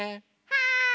はい。